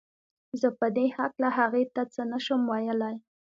زه په دې هکله هغې ته څه نه شم ويلی